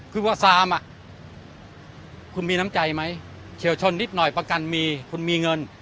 คือพอซามคุณมีน้ำใจไหมเฉียวชนนิดหน่อยประกันมีคุณมีเงิน